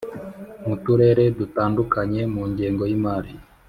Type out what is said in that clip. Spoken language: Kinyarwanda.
mu Turere dutandukanye mu ngengo y imari